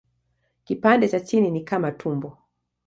Kipande cha chini ni kama tumbo.